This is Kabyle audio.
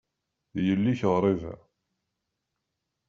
D yelli-k ɣriba.